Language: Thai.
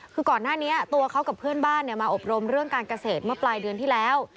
คือก่อนหน้านี้ตัวเขากับเพื่อนบ้านมาอบรมเรื่องการเกษตรเมื่อปลายเดือนที่แล้ว